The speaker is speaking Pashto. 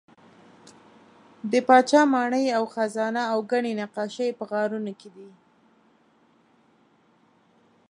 د پاچا ماڼۍ او خزانه او ګڼې نقاشۍ په غارونو کې دي.